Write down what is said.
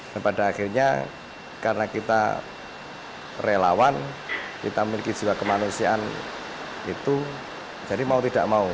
dan pada akhirnya karena kita relawan kita memiliki jiwa kemanusiaan itu jadi mau tidak mau